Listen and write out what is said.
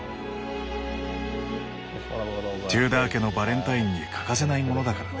テューダー家のバレンタインに欠かせないものだからね。